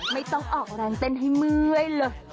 ไม่ต้องออกแรงเต้นให้เมื่อยเลย